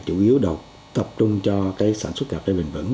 chủ yếu đầu tập trung cho sản xuất cà phê bền vững